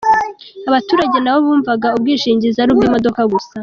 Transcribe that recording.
Abaturage nabo bumvaga ubwishingizi ari ubw’imodoka gusa.